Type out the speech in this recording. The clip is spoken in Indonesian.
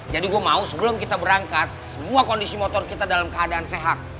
jadi gua mau sebelum kita berangkat semua kondisi motor kita dalam keadaan sehat